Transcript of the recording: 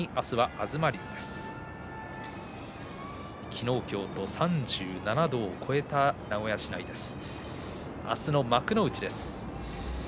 昨日、今日と３７度を超えた名古屋市内です。